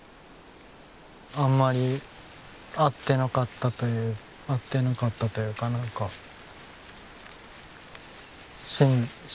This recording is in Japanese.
あんまり合ってなかったという合ってなかったというかなんかしんどかった。